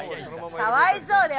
かわいそうだよ。